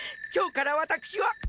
今日から私は。